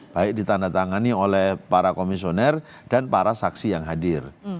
baik ditandatangani oleh para komisioner dan para saksi yang hadir